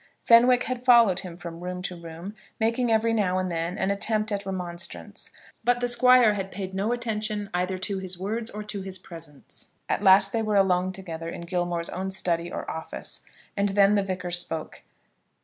Fenwick had followed him from room to room, making every now and then an attempt at remonstrance; but the Squire had paid no attention either to his words or to his presence. At last they were alone together in Gilmore's own study or office, and then the Vicar spoke.